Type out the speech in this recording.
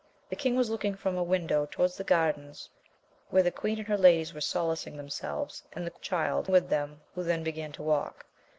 The king was looking from a window towards the gardens, where the queen and her ladies were solacing themselves, and the child with them, who then began to walk.